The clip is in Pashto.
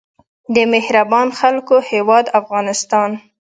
د مهربانو خلکو هیواد افغانستان.